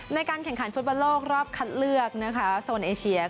ในการแข่งขันฟุตบอลโลกรอบคัดเลือกนะคะโซนเอเชีย